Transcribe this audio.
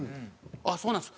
「あっそうなんです」